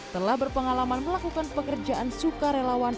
telah berpengalaman melakukan pekerjaan sukarelawan